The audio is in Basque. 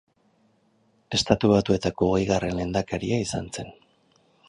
Estatu Batuetako hogeigarren lehendakaria izan zen.